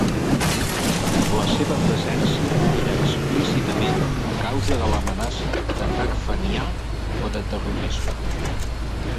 La seva presència era explícitament a causa de l'amenaça d'atac fenià o de terrorisme.